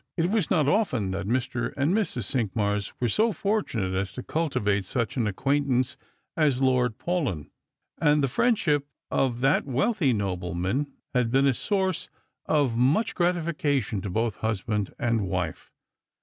It was not often that Mr. and Mrs. Cinqmars were so fortunate as to cultivate such an acquaint ance as Lord Paulyn, and the friendship of that wealthy nobleman had been a source of much gratification to both husband and wife.